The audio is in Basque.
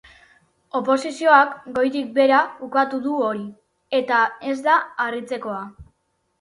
Oposizioak goitik behera ukatu du hori, eta ez da harritzekoa.